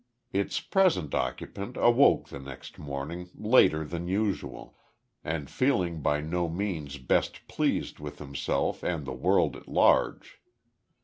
Its present occupant awoke the next morning later than usual, and feeling by no means best pleased with himself and the world at large.